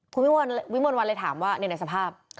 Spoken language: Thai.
คุณวิมวลวันเลยถามว่าในสภาพ